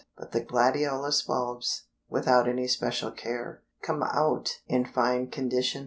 But the gladiolus bulbs, without any special care, come out in fine condition.